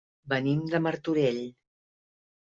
Venim de Martorell.